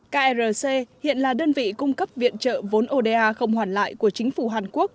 krc hiện là đơn vị cung cấp viện trợ vốn oda không hoàn lại của chính phủ hàn quốc